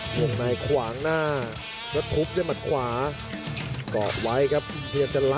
ห่วงในขวางหน้าแล้วทุบในหมัดขวา